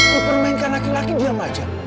dipermainkan laki laki diam aja